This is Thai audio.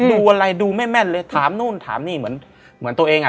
ดูอะไรดูไม่แม่นเลยถามนู่นถามนี่เหมือนเหมือนตัวเองอ่ะ